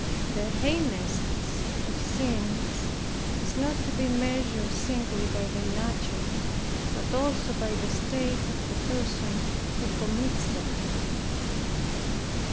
The heinousness of sins is not to be measured singly by their nature, but also by the state of the person who commits them.